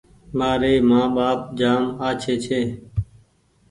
مآري مآن ٻآپ جآم آڇي ڇي